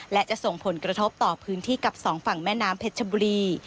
และจะส่งผลกระทบต่อพื้นที่กับสองฝั่งแม่น้ำเพชรชบุรี